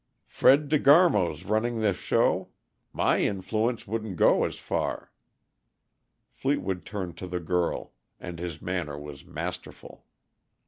"Fred De Garmo's running this show. My influence wouldn't go as far " Fleetwood turned to the girl, and his manner was masterful.